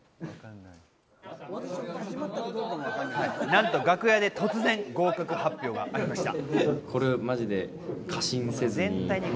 なんと楽屋で突然合格発表がありました。